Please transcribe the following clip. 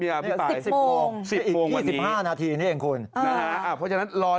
อีก๒๕นาทีนี่เองคุณ